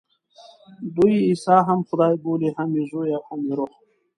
دوی عیسی هم خدای بولي، هم یې زوی او هم یې روح.